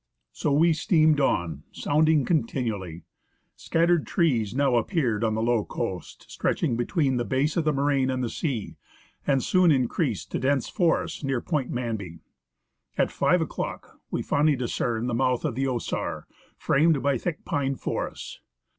So we steamed on, sounding continually. Scattered trees now appeared on the low coast stretching between the base of the moraine and the sea, and soon increased to dense forests near Point Manby. At 5 o'clock we finally discern the mouth of the Osar, framed by thick pine forests.